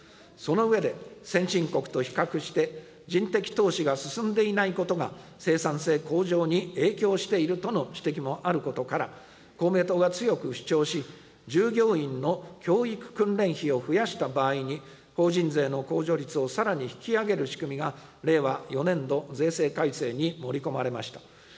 その上で、先進国と比較して、人的投資が進んでいないことが、生産性向上に影響しているとの指摘もあることから、公明党が強く主張し、従業員の教育訓練費を増やした場合に、法人税の控除率をさらに引き上げる仕組みが、令和４年度税制改正に盛り込まれました。